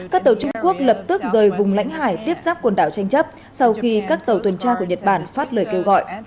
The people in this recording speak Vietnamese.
các tàu trung quốc lập tức rời vùng lãnh hải tiếp giáp quần đảo tranh chấp sau khi các tàu tuần tra của nhật bản phát lời kêu gọi